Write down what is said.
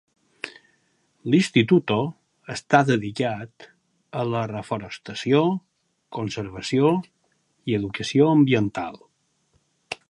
L'Instituto està dedicat a la reforestació, conservació i educació ambiental.